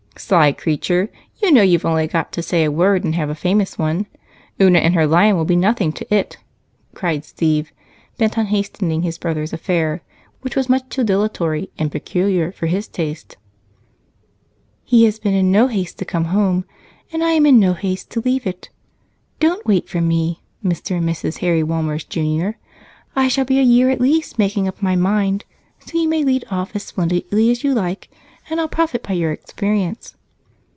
"Sly creature! You know you've only got to say a word and have a famous one. Una and her lion will be nothing to it," cried Steve, bent on hastening his brother's affair, which was much too dilatory and peculiar for his taste. "He has been in no haste to come home, and I am in no haste to leave it. Don't wait for me, 'Mr. and Mrs. Harry Walmers, Jr.,' I shall be a year at least making up my mind, so you may lead off as splendidly as you like and I'll profit by your experience."